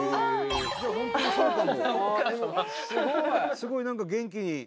すごい何か元気に。